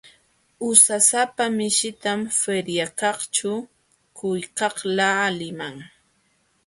Usasapa mishitam feriakaqćhu quykaqlaaliman.